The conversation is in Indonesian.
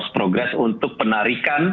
progres untuk penarikan